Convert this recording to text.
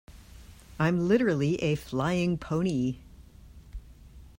I'm literally a flying pony.